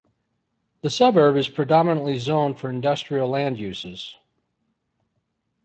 The suburb is predominately zoned for industrial land uses.